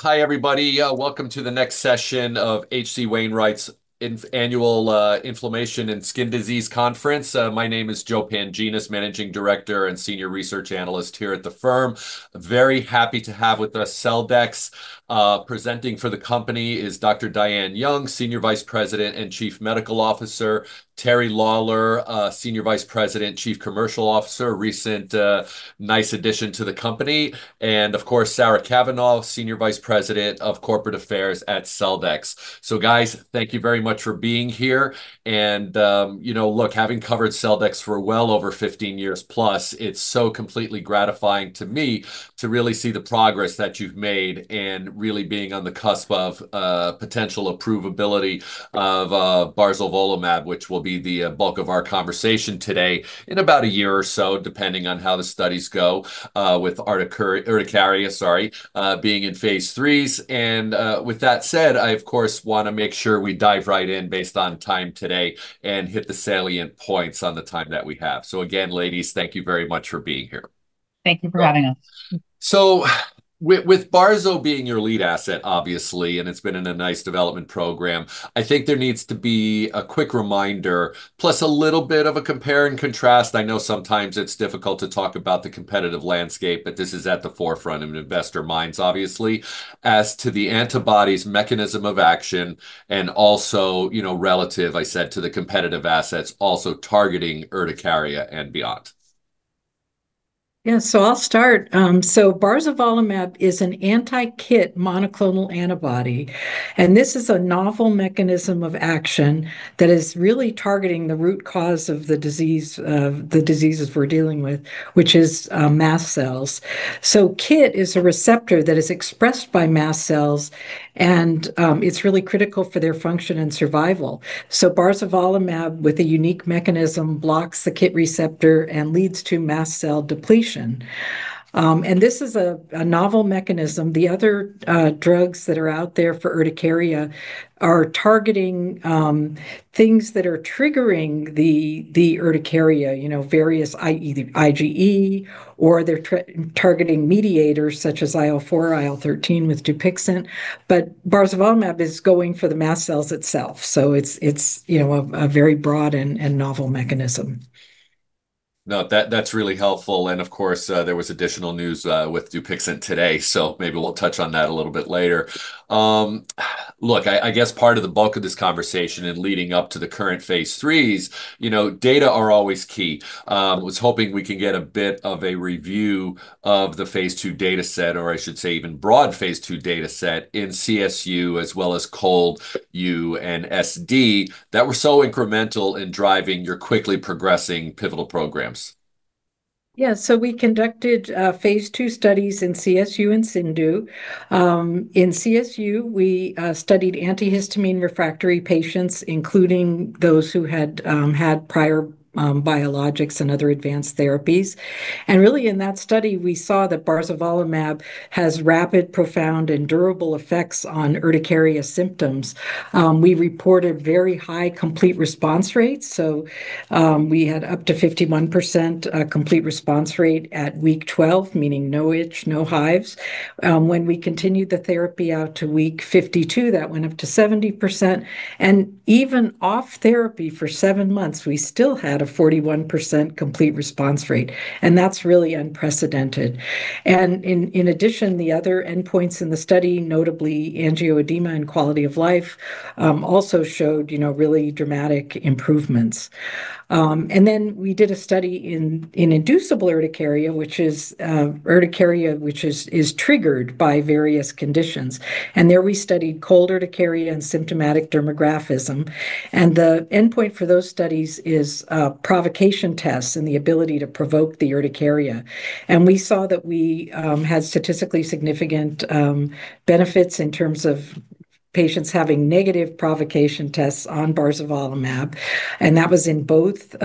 Hi, everybody. Welcome to the next session of H.C. Wainwright's annual Inflammation and Skin Disease Conference. My name is Joe Pantginis, Managing Director and Senior Research Analyst here at the firm. Very happy to have with us Celldex. Presenting for the company is Dr. Diane Young, Senior Vice President and Chief Medical Officer, Teri Lawver, Senior Vice President, Chief Commercial Officer, recent nice addition to the company, and of course, Sarah Cavanaugh, Senior Vice President of Corporate Affairs at Celldex. Guys, thank you very much for being here. Look, having covered Celldex for well over 15+ years, it's so completely gratifying to me to really see the progress that you've made and really being on the cusp of potential approvability of barzolvolimab, which will be the bulk of our conversation today, in about a year or so, depending on how the studies go, with urticaria, sorry, being in phase III's. With that said, I of course want to make sure we dive right in based on time today and hit the salient points on the time that we have. Again, ladies, thank you very much for being here. Thank you for having us. With barzo being your lead asset, obviously, and it's been in a nice development program, I think there needs to be a quick reminder, plus a little bit of a compare and contrast. I know sometimes it's difficult to talk about the competitive landscape, but this is at the forefront of investor minds, obviously, as to the antibody's mechanism of action and also, relative, I said, to the competitive assets also targeting urticaria and beyond. Yeah, I'll start. barzolvolimab is an anti-KIT monoclonal antibody, and this is a novel mechanism of action that is really targeting the root cause of the diseases we're dealing with, which is mast cells. KIT is a receptor that is expressed by mast cells, and it's really critical for their function and survival. barzolvolimab, with a unique mechanism, blocks the KIT receptor and leads to mast cell depletion. This is a novel mechanism. The other drugs that are out there for urticaria are targeting things that are triggering the urticaria, various IgE, or they're targeting mediators such as IL-4, IL-13 with Dupixent. barzolvolimab is going for the mast cells itself. It's a very broad and novel mechanism. No, that's really helpful. Of course, there was additional news with Dupixent today, so maybe we'll touch on that a little bit later. Look, I guess part of the bulk of this conversation in leading up to the current phase III's, data are always key. I was hoping we could get a bit of a review of the phase II data set, or I should say even broad phase II data set, in CSU as well as ColdU and SD, that were so incremental in driving your quickly progressing pivotal programs. We conducted phase II studies in CSU and CIndU. In CSU, we studied antihistamine-refractory patients, including those who had had prior biologics and other advanced therapies. Really, in that study, we saw that barzolvolimab has rapid, profound, and durable effects on urticaria symptoms. We reported very high complete response rates, so we had up to 51% complete response rate at week 12, meaning no itch, no hives. When we continued the therapy out to week 52, that went up to 70%. Even off therapy for seven months, we still had a 41% complete response rate, and that's really unprecedented. In addition, the other endpoints in the study, notably angioedema and quality of life, also showed really dramatic improvements. We did a study in inducible urticaria, which is urticaria which is triggered by various conditions. There we studied cold urticaria and symptomatic dermographism, and the endpoint for those studies is provocation tests and the ability to provoke the urticaria. We saw that we had statistically significant benefits in terms of patients having negative provocation tests on barzolvolimab, and that was in both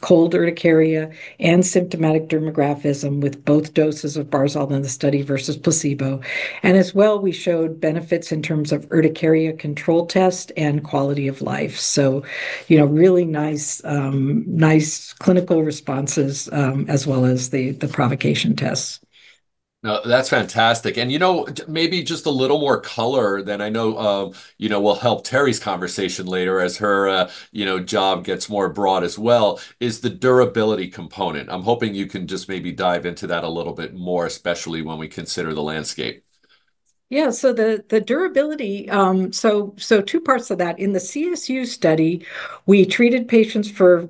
cold urticaria and symptomatic dermographism, with both doses of barzo in the study versus placebo. As well, we showed benefits in terms of Urticaria Control Test and quality of life. Really nice clinical responses, as well as the provocation tests. No, that's fantastic. Maybe just a little more colour, then I know will help Teri's conversation later as her job gets more broad as well, is the durability component. I'm hoping you can just maybe dive into that a little bit more, especially when we consider the landscape. Yeah. The durability, so two parts of that. In the CSU study, we treated patients for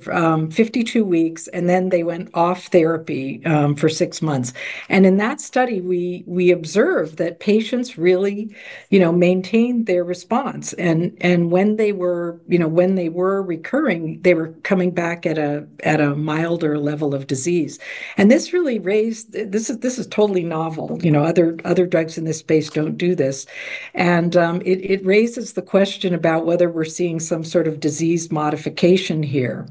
52 weeks, and then they went off therapy for six months. In that study, we observed that patients really maintained their response, and when they were recurring, they were coming back at a milder level of disease. This is totally novel. Other drugs in this space don't do this. It raises the question about whether we're seeing some sort of disease modification here.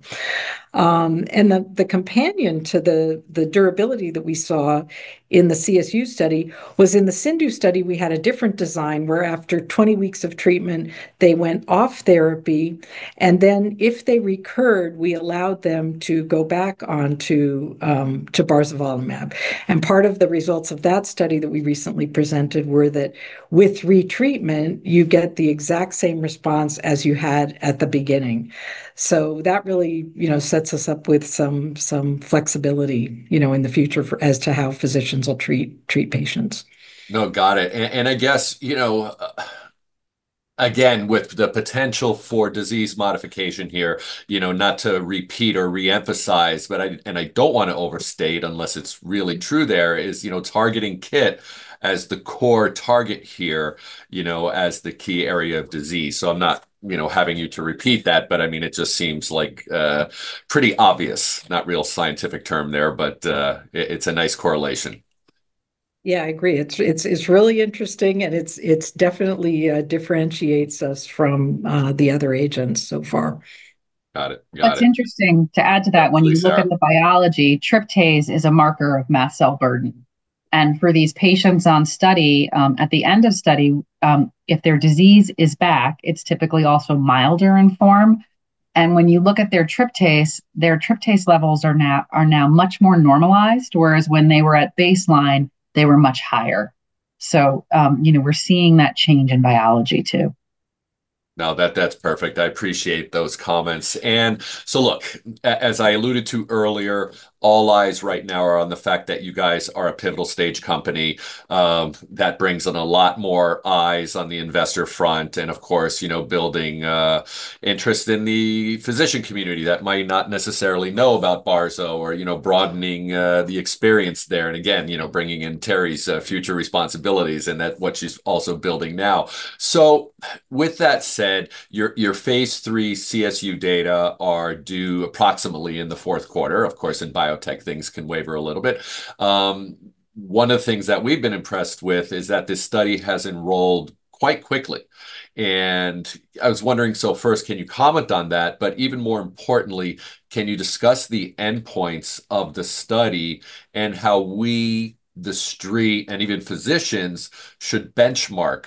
The companion to the durability that we saw in the CSU study was in the CIndU study. We had a different design where after 20 weeks of treatment, they went off therapy, and then if they recurred, we allowed them to go back onto barzolvolimab. Part of the results of that study that we recently presented were that with retreatment, you get the exact same response as you had at the beginning. That really sets us up with some flexibility in the future as to how physicians will treat patients. No, got it. I guess, again, with the potential for disease modification here, not to repeat or re-emphasize, and I don't want to overstate unless it's really true there is, targeting KIT as the core target here as the key area of disease. I'm not having you to repeat that, but it just seems pretty obvious, not real scientific term there, but it's a nice correlation. Yeah, I agree. It's really interesting, and it definitely differentiates us from the other agents so far. Got it. It's interesting to add to that when you. Please do. Look at the biology, tryptase is a marker of mast cell burden. For these patients on study, at the end of study, if their disease is back, it's typically also milder in form. When you look at their tryptase, their tryptase levels are now much more normalized, whereas when they were at baseline, they were much higher. We're seeing that change in biology too. No, that's perfect. I appreciate those comments. Look, as I alluded to earlier, all eyes right now are on the fact that you guys are a pivotal stage company. That brings in a lot more eyes on the investor front and, of course, building interest in the physician community that might not necessarily know about Barzo or broadening the experience there, again bringing in Teri's future responsibilities and what she's also building now. With that said, your phase III CSU data are due approximately in the Q4. Of course, in biotech, things can waver a little bit. One of the things that we've been impressed with is that this study has enrolled quite quickly. I was wondering, first, can you comment on that? Even more importantly, can you discuss the endpoints of the study and how we, the Street, and even physicians should benchmark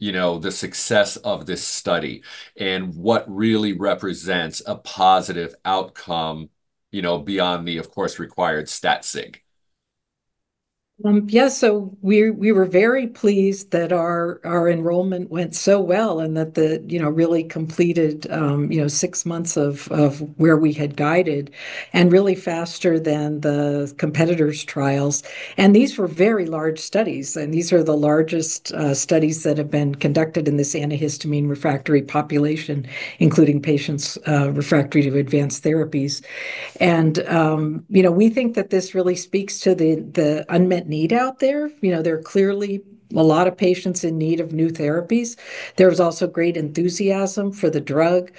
the success of this study, and what really represents a positive outcome beyond the, of course, required stat sig? Yeah. We were very pleased that our enrollment went so well and that really completed six months of where we had guided, and really faster than the competitors' trials. These were very large studies, and these are the largest studies that have been conducted in this antihistamine-refractory population, including patients refractory to advanced therapies. We think that this really speaks to the unmet need out there. There are clearly a lot of patients in need of new therapies. There was also great enthusiasm for the drug.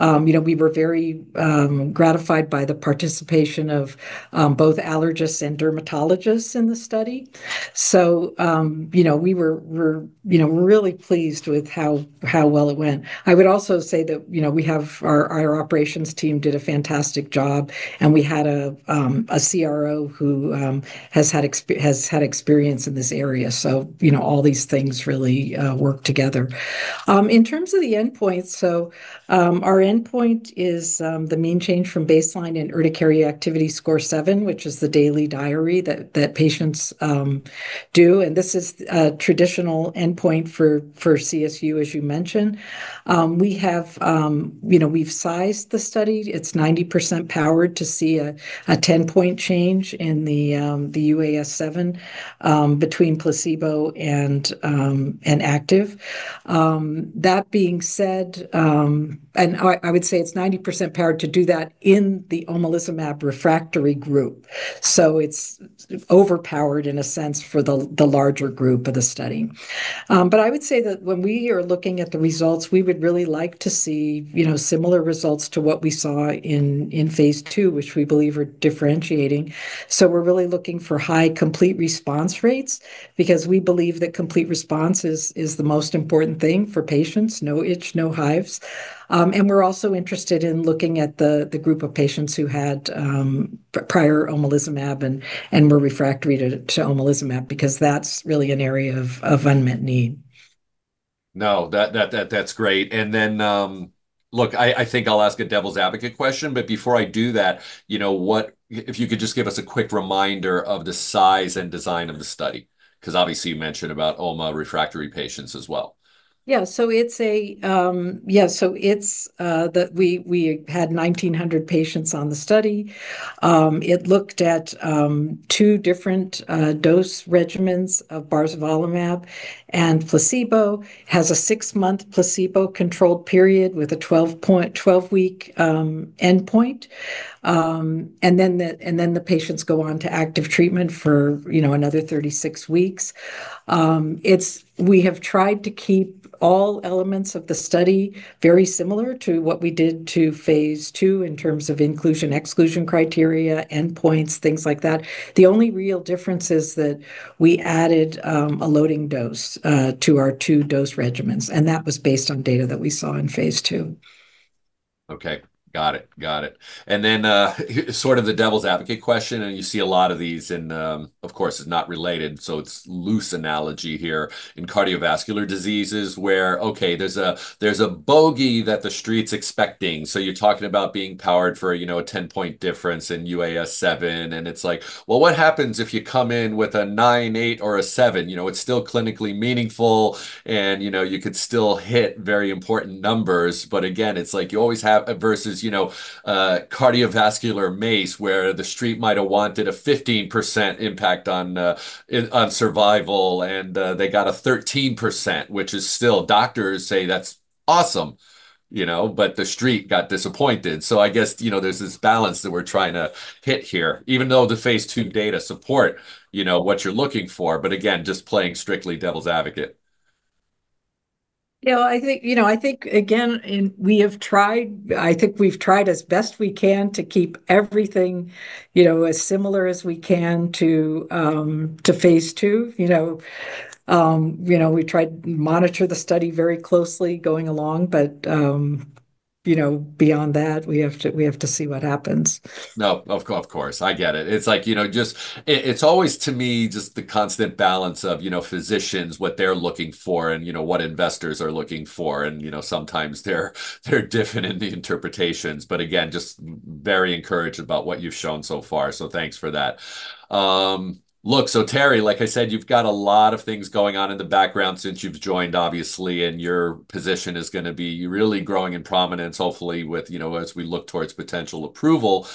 We were very gratified by the participation of both allergists and dermatologists in the study. We were really pleased with how well it went. I would also say that our operations team did a fantastic job, and we had a CRO who has had experience in this area, so all these things really work together. In terms of the endpoint, so our endpoint is the mean change from baseline in Urticaria Activity Score 7, which is the daily diary that patients do, and this is a traditional endpoint for CSU, as you mentioned. We've sized the study. It's 90% powered to see a 10-point change in the UAS7 between placebo and active. That being said, and I would say it's 90% powered to do that in the omalizumab-refractory group. It's overpowered in a sense for the larger group of the study. I would say that when we are looking at the results, we would really like to see similar results to what we saw in phase II, which we believe are differentiating. We're really looking for high complete response rates because we believe that complete response is the most important thing for patients, no itch, no hives. We're also interested in looking at the group of patients who had prior omalizumab and were refractory to omalizumab because that's really an area of unmet need. No, that's great. Look, I think I'll ask a devil's advocate question, but before I do that, if you could just give us a quick reminder of the size and design of the study, because obviously you mentioned about omalizumab-refractory patients as well. Yeah. We had 1,900 patients on the study. It looked at two different dose regimens of barzolvolimab and placebo. It has a six-month placebo control period with a 12-week endpoint, and then the patients go on to active treatment for another 36 weeks. We have tried to keep all elements of the study very similar to what we did in phase II in terms of inclusion, exclusion criteria, endpoints, things like that. The only real difference is that we added a loading dose to our two dose regimens, and that was based on data that we saw in phase II. Okay. Got it. Sort of the devil's advocate question, and you see a lot of these and, of course, it's not related, so it's loose analogy here. In cardiovascular diseases where, okay, there's a bogey that the Street's expecting. You're talking about being powered for a 10-point difference in UAS7, and it's like, well, what happens if you come in with a nine, eight, or a seven? It's still clinically meaningful, and you could still hit very important numbers, but again, it's like you always have versus cardiovascular MACE, where the Street might have wanted a 15% impact on survival, and they got a 13%, which is still doctors say that's awesome, but the Street got disappointed. I guess, there's this balance that we're trying to hit here, even though the phase II data support what you're looking for. Again, just playing strictly devil's advocate. I think we've tried as best we can to keep everything as similar as we can to phase II. We tried to monitor the study very closely going along. Beyond that, we have to see what happens. No, of course. I get it. It's always to me, just the constant balance of physicians, what they're looking for and what investors are looking for, and sometimes they're different in the interpretations. Again, just very encouraged about what you've shown so far. Thanks for that. Look, Teri, like I said, you've got a lot of things going on in the background since you've joined, obviously, and your position is going to be really growing in prominence, hopefully as we look towards potential approval.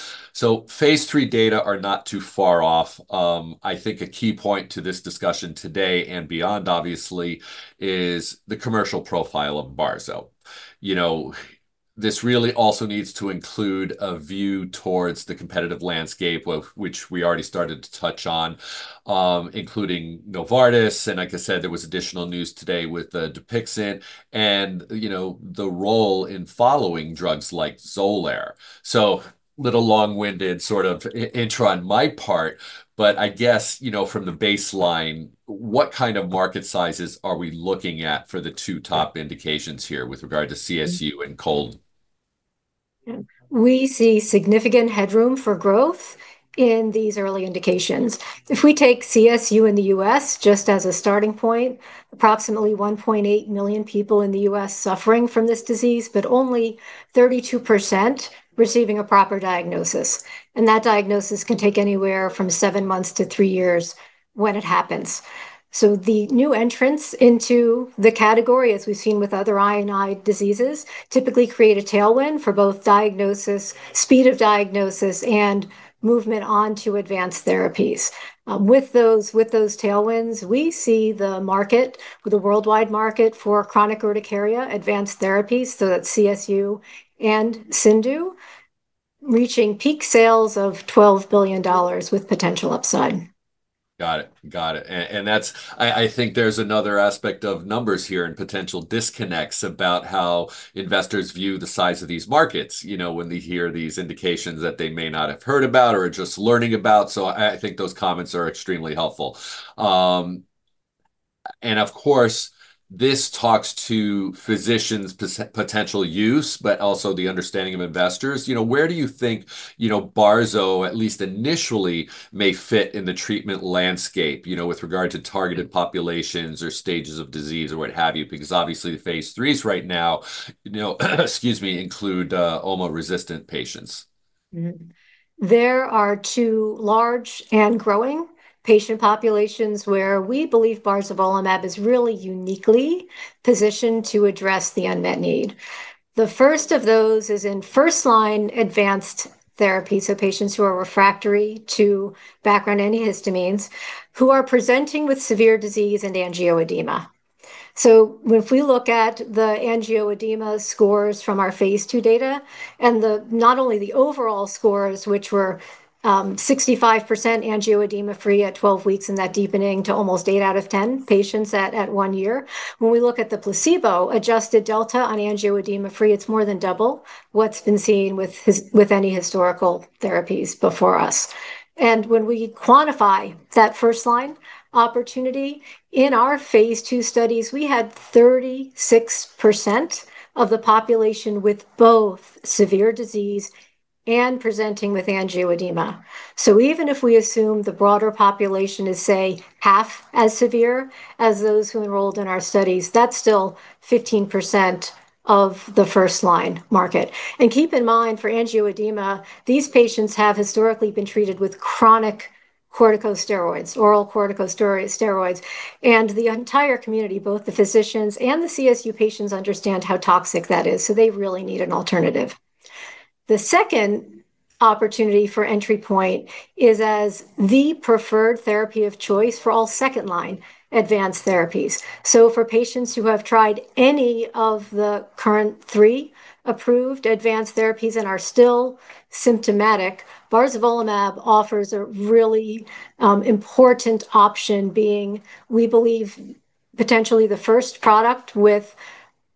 phase III data are not too far off. I think a key point to this discussion today and beyond, obviously, is the commercial profile of barzo. This really also needs to include a view towards the competitive landscape, which we already started to touch on, including Novartis. Like I said, there was additional news today with Dupixent and the role in following drugs like XOLAIR. Little long-winded sort of intro on my part, but I guess from the baseline, what kind of market sizes are we looking at for the two top indications here with regard to CSU and cold? We see significant headroom for growth in these early indications. If we take CSU in the U.S. just as a starting point, approximately 1.8 million people in the U.S. suffering from this disease, but only 32% receiving a proper diagnosis, and that diagnosis can take anywhere from seven months to three years when it happens. The new entrants into the category, as we've seen with other I&I diseases, typically create a tailwind for both speed of diagnosis and movement on to advanced therapies. With those tailwinds, we see the worldwide market for chronic urticaria advanced therapies, so that's CSU and CIndU, reaching peak sales of $12 billion with potential upside. Got it. I think there's another aspect of numbers here and potential disconnects about how investors view the size of these markets when they hear these indications that they may not have heard about or are just learning about. I think those comments are extremely helpful. Of course, this talks to physicians' potential use, but also the understanding of investors. Where do you think barzo, at least initially, may fit in the treatment landscape with regard to targeted populations or stages of disease, or what have you? Because obviously the phase III's right now, excuse me, include omalizumab-resistant patients. There are two large and growing patient populations where we believe barzolvolimab is really uniquely positioned to address the unmet need. The first of those is in first-line advanced therapy, so patients who are refractory to background antihistamines, who are presenting with severe disease and angioedema. If we look at the angioedema scores from our phase II data and not only the overall scores, which were 65% angioedema-free at 12 weeks, and that deepening to almost eight out of 10 patients at one year. When we look at the placebo-adjusted delta on angioedema-free, it's more than double what's been seen with any historical therapies before us. When we quantify that first-line opportunity, in our phase II studies, we had 36% of the population with both severe disease and presenting with angioedema. Even if we assume the broader population is, say, half as severe as those who enrolled in our studies, that's still 15% of the first-line market. Keep in mind, for angioedema, these patients have historically been treated with chronic corticosteroids, oral corticosteroids, and the entire community, both the physicians and the CSU patients, understand how toxic that is. They really need an alternative. The second opportunity for entry point is as the preferred therapy of choice for all second-line advanced therapies. For patients who have tried any of the current three approved advanced therapies and are still symptomatic, barzolvolimab offers a really important option, being, we believe, potentially the first product with,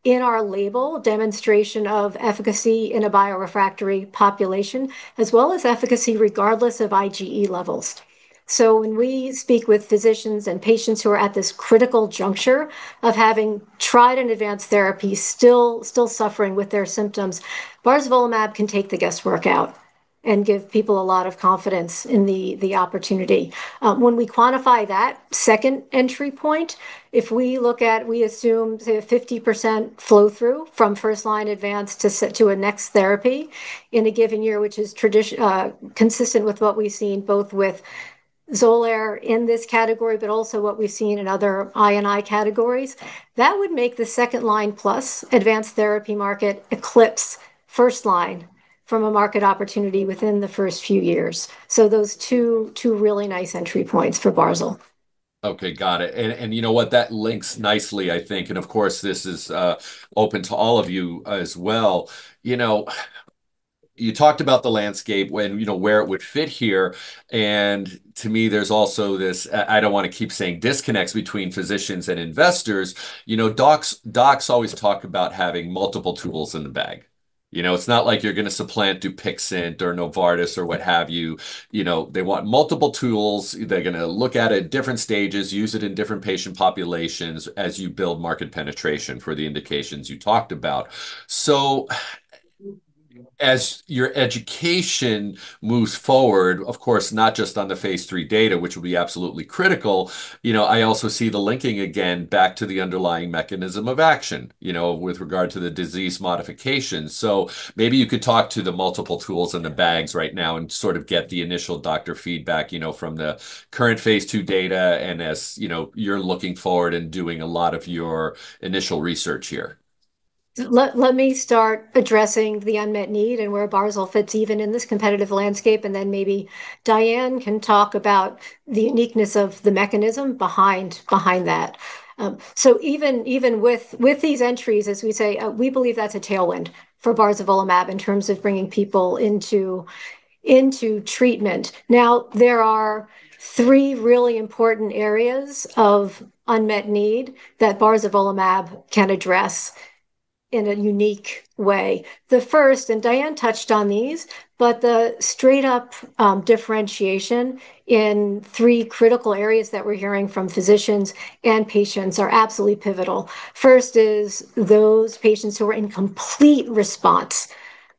in our label, demonstration of efficacy in a bio-refractory population, as well as efficacy regardless of IgE levels. When we speak with physicians and patients who are at this critical juncture of having tried an advanced therapy, still suffering with their symptoms, barzolvolimab can take the guesswork out. Give people a lot of confidence in the opportunity. When we quantify that second entry point, we assume, say, a 50% flow-through from first-line advanced to a next therapy in a given year, which is consistent with what we've seen both with XOLAIR in this category, but also what we've seen in other I&I categories. That would make the second-line plus advanced therapy market eclipse first-line from a market opportunity within the first few years. Those two really nice entry points for barzolvolimab. Okay, got it. You know what? That links nicely, I think, and, of course, this is open to all of you as well. You talked about the landscape, where it would fit here, and to me, there's also this, I don't want to keep saying disconnects between physicians and investors. Docs always talk about having multiple tools in the bag. It's not like you're going to supplant Dupixent or Novartis or what have you. They want multiple tools. They're going to look at it at different stages, use it in different patient populations as you build market penetration for the indications you talked about. As your education moves forward, of course, not just on the phase III data, which will be absolutely critical, I also see the linking again back to the underlying mechanism of action with regard to the disease modification. Maybe you could talk to the multiple tools in the bags right now and sort of get the initial doctor feedback from the current phase II data and as you're looking forward and doing a lot of your initial research here? Let me start addressing the unmet need and where barzolvolimab fits even in this competitive landscape, and then maybe Diane can talk about the uniqueness of the mechanism behind that. Even with these entries, as we say, we believe that's a tailwind for barzolvolimab in terms of bringing people into treatment. Now, there are three really important areas of unmet need that barzolvolimab can address in a unique way. The first, and Diane touched on these, but the straight-up differentiation in three critical areas that we're hearing from physicians and patients are absolutely pivotal. First is those patients who are in complete response,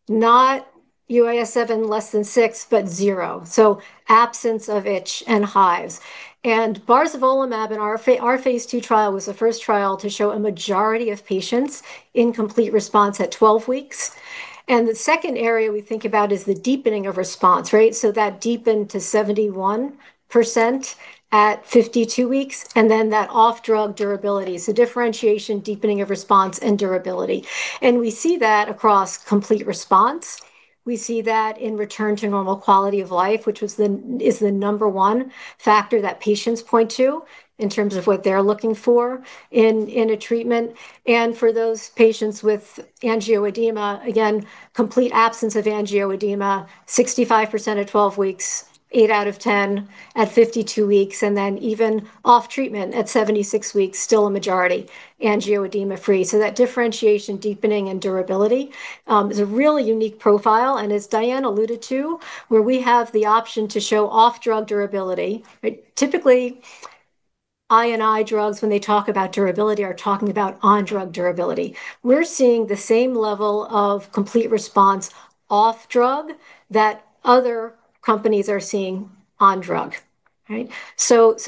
not UAS7 less than six, but zero, so absence of itch and hives. Barzolvolimab in our phase II trial was the first trial to show a majority of patients in complete response at 12 weeks. The second area we think about is the deepening of response, right? That deepened to 71% at 52 weeks, and then that off-drug durability. Differentiation, deepening of response, and durability. We see that across complete response. We see that in return to normal quality of life, which is the number one factor that patients point to in terms of what they're looking for in a treatment. For those patients with angioedema, again, complete absence of angioedema, 65% at 12 weeks, eight out of 10 at 52 weeks, and then even off treatment at 76 weeks, still a majority angioedema-free. That differentiation, deepening, and durability is a really unique profile, and as Diane alluded to, where we have the option to show off-drug durability, right? Typically, I&I drugs, when they talk about durability, are talking about on-drug durability. We're seeing the same level of complete response off drug that other companies are seeing on drug, right?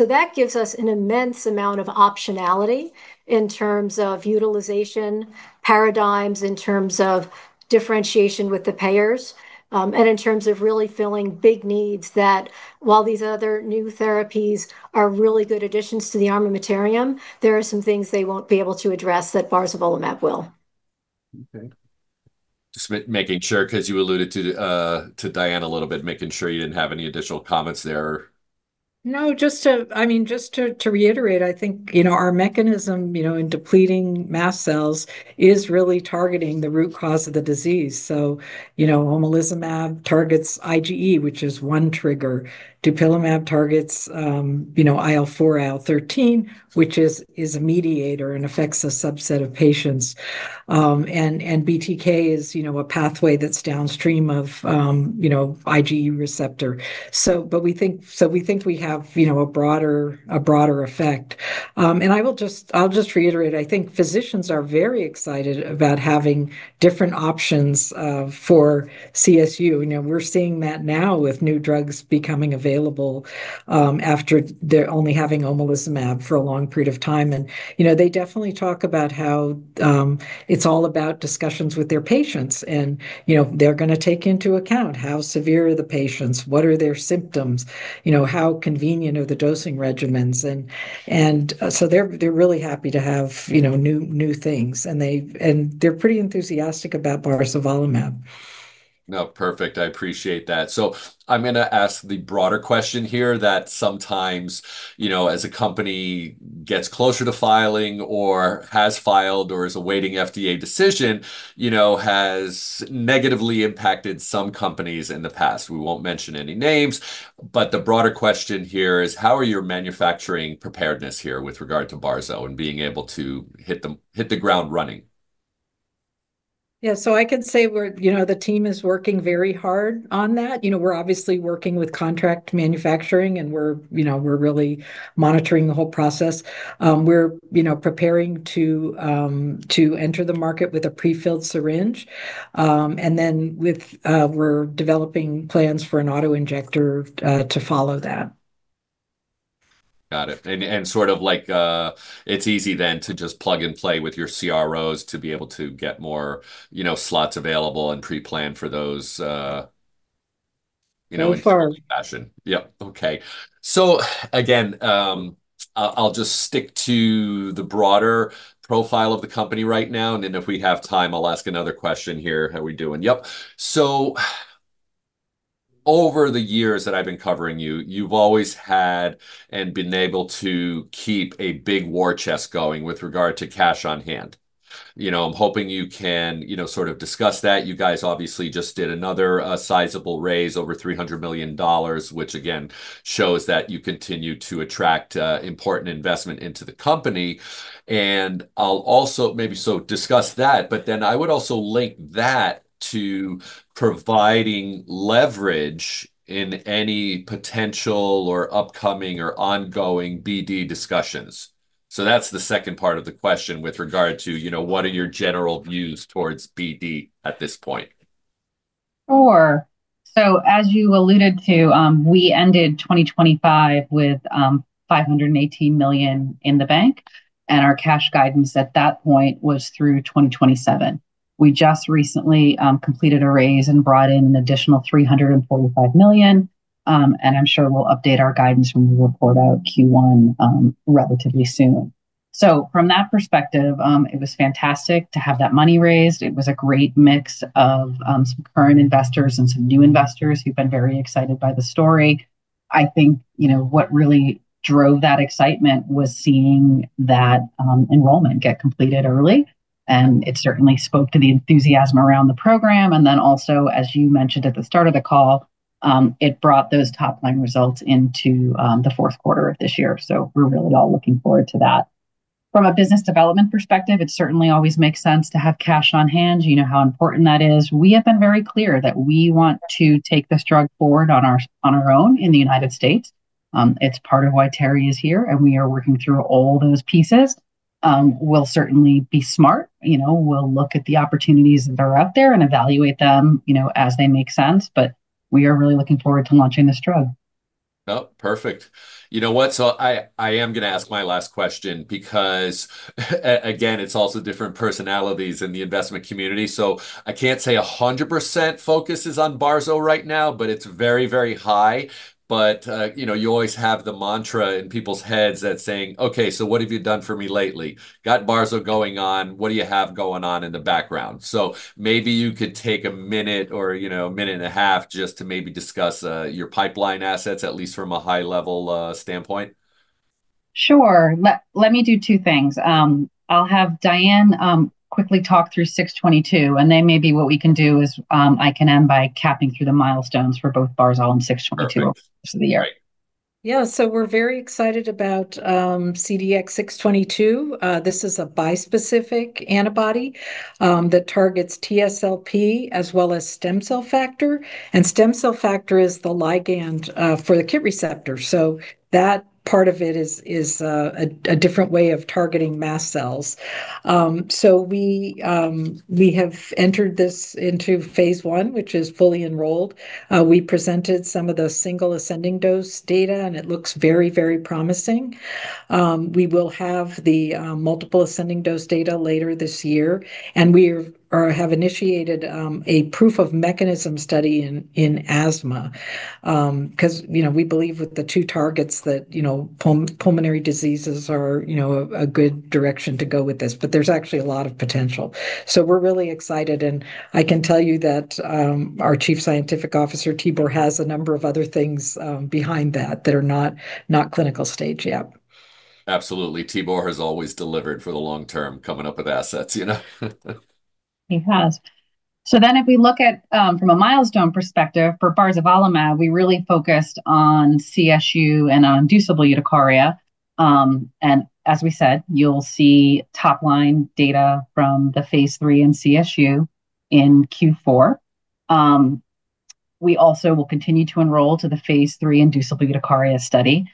That gives us an immense amount of optionality in terms of utilization paradigms, in terms of differentiation with the payers, and in terms of really filling big needs that while these other new therapies are really good additions to the armamentarium, there are some things they won't be able to address that barzolvolimab will. Okay, just making sure, because you alluded to Diane a little bit, making sure you didn't have any additional comments there. No, just to reiterate, I think our mechanism in depleting mast cells is really targeting the root cause of the disease. Omalizumab targets IgE, which is one trigger. Dupilumab targets IL-4, IL-13, which is a mediator and affects a subset of patients. BTK is a pathway that's downstream of IgE receptor. We think we have a broader effect. I'll just reiterate, I think physicians are very excited about having different options for CSU. We're seeing that now with new drugs becoming available after only having omalizumab for a long period of time. They definitely talk about how it's all about discussions with their patients, and they're going to take into account how severe are the patients, what are their symptoms, how convenient are the dosing regimens. They're really happy to have new things, and they're pretty enthusiastic about barzolvolimab. No, perfect. I appreciate that. I'm going to ask the broader question here that sometimes as a company gets closer to filing or has filed or is awaiting FDA decision has negatively impacted some companies in the past. We won't mention any names, but the broader question here is how are your manufacturing preparedness here with regard to barzo and being able to hit the ground running? Yeah, I can say the team is working very hard on that. We're obviously working with contract manufacturing, and we're really monitoring the whole process. We're preparing to enter the market with a prefilled syringe, and then we're developing plans for an auto-injector to follow that. Got it. It's easy then to just plug and play with your CROs to be able to get more slots available and pre-plan for those. So far. Fashion. Yep. Okay. Again, I'll just stick to the broader profile of the company right now, and then if we have time, I'll ask another question here. How we doing? Yep. Over the years that I've been covering you've always had and been able to keep a big war chest going with regard to cash on hand. I'm hoping you can sort of discuss that. You guys obviously just did another sizable raise, over $300 million, which again, shows that you continue to attract important investment into the company. I'll also maybe so discuss that. I would also link that to providing leverage in any potential, or upcoming, or ongoing BD discussions. That's the second part of the question with regard to what are your general views towards BD at this point? Sure. As you alluded to, we ended 2025 with $518 million in the bank, and our cash guidance at that point was through 2027. We just recently completed a raise and brought in an additional $345 million. I'm sure we'll update our guidance when we report out Q1 relatively soon. From that perspective, it was fantastic to have that money raised. It was a great mix of some current investors and some new investors who've been very excited by the story. I think what really drove that excitement was seeing that enrollment get completed early, and it certainly spoke to the enthusiasm around the program. Also, as you mentioned at the start of the call, it brought those top-line results into the Q4 of this year, so we're really all looking forward to that. From a business development perspective, it certainly always makes sense to have cash on hand. You know how important that is. We have been very clear that we want to take this drug forward on our own in the United States. It's part of why Teri is here, and we are working through all those pieces. We'll certainly be smart. We'll look at the opportunities that are out there and evaluate them as they make sense, but we are really looking forward to launching this drug. Oh, perfect. You know what, I am going to ask my last question because again, it's also different personalities in the investment community. I can't say 100% focus is on Barzo right now, but it's very high. You always have the mantra in people's heads that's saying, "Okay, what have you done for me lately? Got Barzo going on, what do you have going on in the background?" Maybe you could take a minute or a minute and a half just to maybe discuss your pipeline assets, at least from a high-level standpoint. Sure. Let me do two things. I'll have Diane quickly talk through 622. Maybe what we can do is I can end by capping through the milestones for both barzolvolimab and 622. Perfect The rest of the year. All right. Yeah. We're very excited about CDX-622. This is a bispecific antibody that targets TSLP as well as stem cell factor. Stem cell factor is the ligand for the KIT receptor, so that part of it is a different way of targeting mast cells. We have entered this into phase I, which is fully enrolled. We presented some of the single ascending dose data, and it looks very promising. We will have the multiple ascending dose data later this year, and we have initiated a proof of mechanism study in asthma. Because we believe with the two targets that pulmonary diseases are a good direction to go with this, but there's actually a lot of potential. We're really excited, and I can tell you that our Chief Scientific Officer, Tibor, has a number of other things behind that that are not clinical stage yet. Absolutely. Tibor has always delivered for the long term, coming up with assets. He has. If we look at from a milestone perspective, for barzolvolimab, we really focused on CSU and on inducible urticaria. As we said, you'll see top-line data from the phase III in CSU in Q4. We also will continue to enroll to the phase III inducible urticaria study.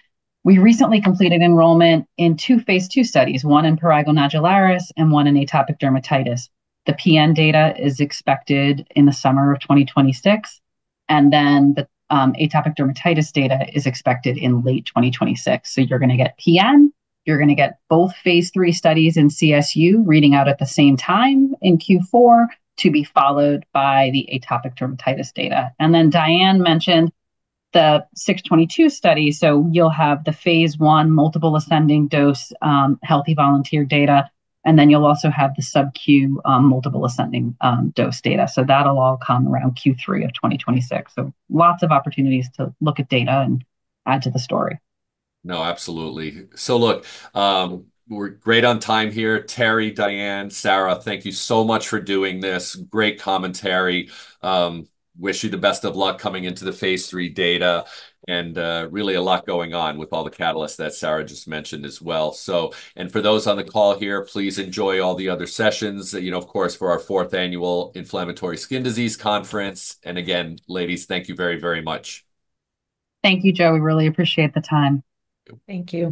We recently completed enrollment in two phase II studies, one in Prurigo Nodularis and one in Atopic Dermatitis. The PN data is expected in the summer of 2026. The Atopic Dermatitis data is expected in late 2026. You're going to get PN. You're going to get both phase III studies in CSU reading out at the same time in Q4, to be followed by the Atopic Dermatitis data. Diane mentioned the 622 study, so you'll have the phase I multiple ascending dose, healthy volunteer data, and then you'll also have the sub-Q multiple ascending dose data. That'll all come around Q3 of 2026. Lots of opportunities to look at data and add to the story. No, absolutely. Look, we're great on time here. Teri, Diane, Sarah, thank you so much for doing this. Great commentary. Wish you the best of luck coming into the phase III data, and really a lot going on with all the catalysts that Sarah just mentioned as well. For those on the call here, please enjoy all the other sessions, of course, for our fourth annual Inflammatory Skin Disease Conference. Again, ladies, thank you very much. Thank you, Joe. We really appreciate the time. Thank you.